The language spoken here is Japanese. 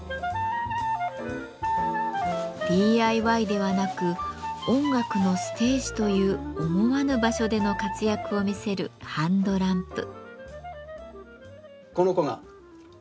ＤＩＹではなく音楽のステージという思わぬ場所での活躍を見せるハンドランプ。